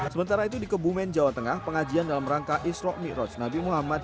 sementara itu di kebumen jawa tengah pengajian dalam rangka isrok ⁇ ikroj nabi muhammad